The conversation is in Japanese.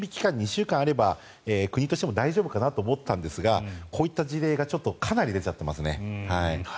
２週間あれば国としても大丈夫かなと思ったんですがこういった事例がかなり出ちゃっていますね。